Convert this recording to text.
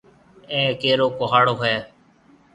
اَي ڪيرو ڪُهاڙو هيَ؟